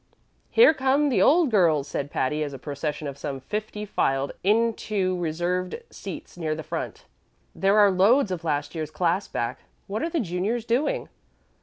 "Here come the old girls!" said Patty, as a procession of some fifty filed into reserved seats near the front. "There are loads of last year's class back. What are the juniors doing?